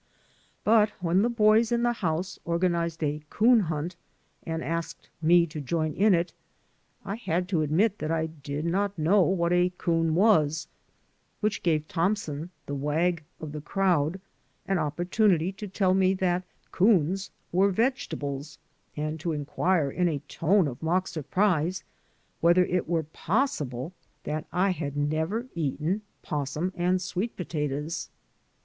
But when the boys in the house organized a 'coon hunt and asked me to join in it I had to admit that I did not know what a 'coon was» which gave Thompson, the wag of the crowd, an opportunity to tell me that 'coons were vegetables, and to inquire^ in a tone of mock surprise, whether it were possible that I had never eaten 'possum and sweet 218 THE AMERICAN AS HE IS potatoes.